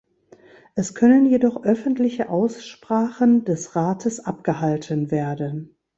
Es können jedoch öffentliche Aussprachen des Rates abgehalten werden.